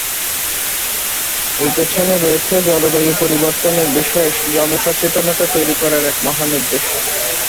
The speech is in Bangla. এর পেছনে রয়েছে জলবায়ু পরিবর্তনের বিষয়ে জনসচেতনতা তৈরি করার এক মহান উদ্দেশ্য।